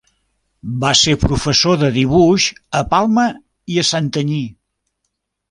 Va ser professor de dibuix a Palma i a Santanyí.